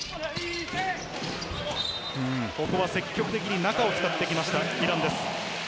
ここは積極的に中を使ってきました、イランです。